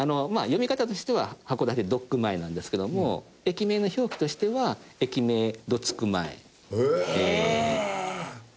読み方としては「函館どっく前」なんですけども駅名の表記としては駅名「どつく前」っていう。